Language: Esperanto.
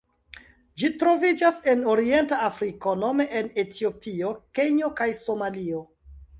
Ĝi troviĝas en Orienta Afriko nome en Etiopio, Kenjo kaj Somalio.